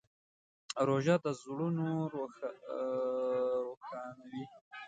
روژه د زړونو روښانوي.